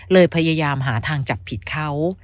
พยายามหาทางจับผิดเขา